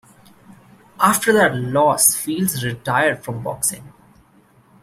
After that loss Fields retired from boxing.